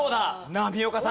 波岡さん